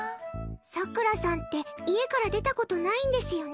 さくらさんって家から出たことないんですよね。